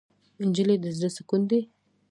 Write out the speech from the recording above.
نجلۍ د زړه سکون دی.